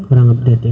kurang update ya